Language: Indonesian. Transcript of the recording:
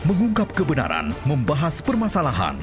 mengungkap kebenaran membahas permasalahan